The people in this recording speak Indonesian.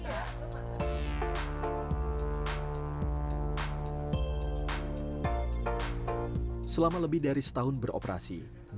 pemantauan dilakukan oleh tim bagirata dan kemudian kemudian kembali ke sistem pppkm